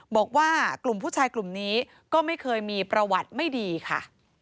บอกว่ากลุ่มผู้ชายกลุ่มนี้ก็ไม่เคยมีประวัติไม่ดีค่ะ